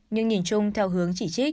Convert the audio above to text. nhưng nhìn chung theo